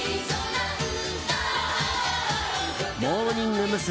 モーニング娘。